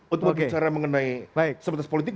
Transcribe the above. untuk bicara mengenai sebetulnya politik